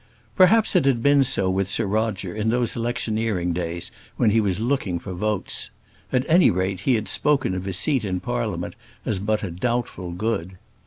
Perhaps it had been so with Sir Roger in those electioneering days when he was looking for votes. At any rate, he had spoken of his seat in Parliament as but a doubtful good.